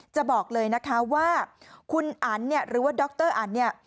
จะบอกเลยนะคะว่าคุณอันเนี่ยหรือว่าดรอันเนี่ย